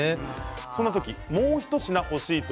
そんな時、もう一品欲しい時